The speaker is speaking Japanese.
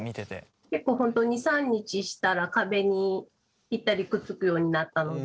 結構本当に２３日したら壁にぴったりくっつくようになったので。